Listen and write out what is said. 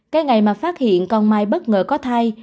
cái ngày mà phát hiện con mai bất ngờ có thai